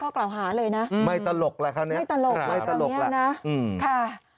ข้อกล่าวหาเลยนะไม่ตลกแล้วค่ะไม่ตลกแล้วนะค่ะ